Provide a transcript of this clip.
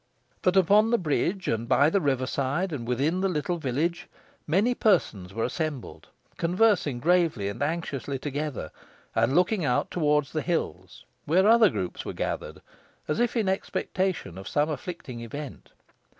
But upon the bridge, and by the river side, and within the little village, many persons were assembled, conversing gravely and anxiously together, and looking out towards the hills, where other groups were gathered, as if in expectation of some afflicting event.